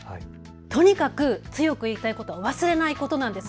とにかく強く言いたいこと、忘れないことなんです。